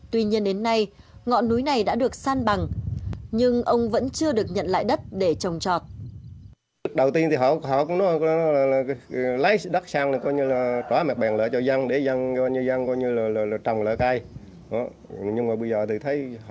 tuy nhiên đến nay ngọn núi này đã được san bằng nhưng ông vẫn chưa được nhận lại đất để trồng trọt